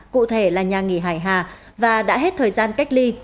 cụ thể là nhà nghỉ hải hà và đã hết thời gian cách ly